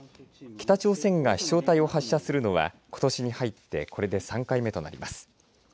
北朝鮮が飛しょう体を発射するのはことしに入ってこれで３回目となります。